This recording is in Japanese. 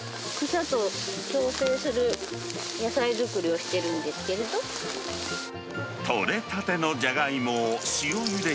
草と共生する野菜作りをしてるんですけれど。